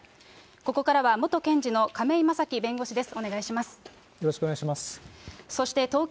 ここからは元検事の亀井正貴弁護士です。